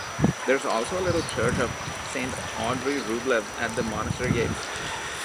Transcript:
There's also a little church of Saint Andrey Rublev at the monastery gates.